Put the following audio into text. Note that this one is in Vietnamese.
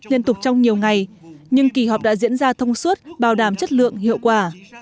liên tục trong nhiều ngày nhưng kỳ họp đã diễn ra thông suốt bảo đảm chất lượng hiệu quả